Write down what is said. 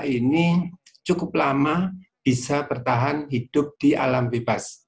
ini cukup lama bisa bertahan hidup di alam bebas